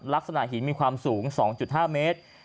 ลักษณะหินมีความสูง๒๕เมตร